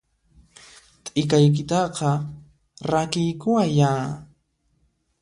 T'ikaykitaqa rakiykuwayyá!